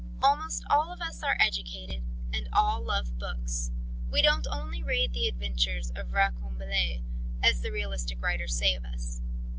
"Almost all of us are educated, and all love books. We don't only read the adventures of Roqueambole, as the realistic writers say of us.